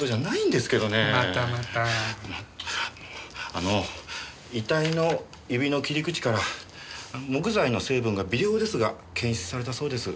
あの遺体の指の切り口から木材の成分が微量ですが検出されたそうです。